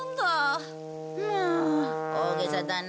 もう大げさだな。